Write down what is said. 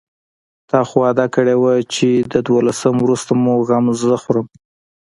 تا خو وعده کړې وه چې د دولسم وروسته مو غم زه خورم.